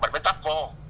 rồi mình mới tắp vô